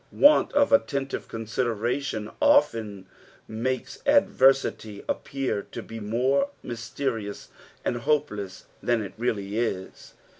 Want of attentive con side ratio a often makes adversity appear to be more mysterious and hopeless than it really is.